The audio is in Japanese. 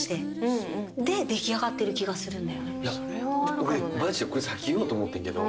俺マジでこれさっき言おうと思ってんけど。